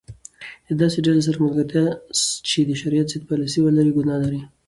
د داسي ډلي سره ملګرتیا چي د شرعیت ضد پالسي ولري؛ ګناه لري.